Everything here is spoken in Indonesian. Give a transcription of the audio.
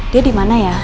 dia dimana ya